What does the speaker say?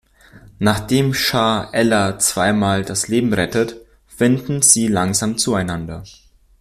Nachdem Char Ella zweimal das Leben rettet, finden sie langsam zueinander.